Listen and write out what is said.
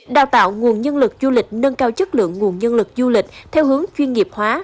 đào tạo nguồn nhân lực du lịch nâng cao chất lượng nguồn nhân lực du lịch theo hướng chuyên nghiệp hóa